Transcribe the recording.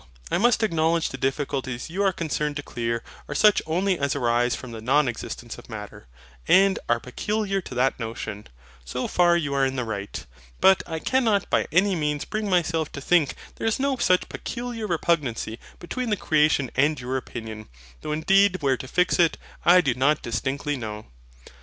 I must acknowledge the difficulties you are concerned to clear are such only as arise from the non existence of Matter, and are peculiar to that notion. So far you are in the right. But I cannot by any means bring myself to think there is no such peculiar repugnancy between the creation and your opinion; though indeed where to fix it, I do not distinctly know.